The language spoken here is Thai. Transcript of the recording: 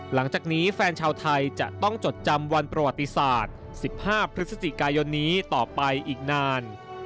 หลังจากนี้แฟนชาวไทยจะต้องจดจำวันประวัติศาสตร์๑๕พฤศจิกายนนี้ต่อไปอีกนาน